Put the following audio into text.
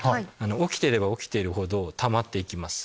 起きてれば起きてるほどたまっていきます。